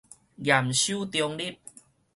嚴守中立